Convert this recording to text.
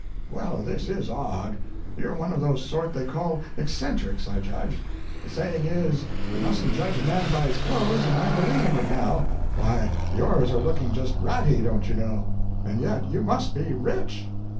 "Well, this is odd. You're one of those sort they call eccentrics, I judge. The saying is, you mustn't judge a man by his clothes, and I'm believing it now. Why yours are looking just ratty, don't you know; and yet you must be rich."